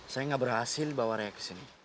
saya gak berhasil bawa raya ke sini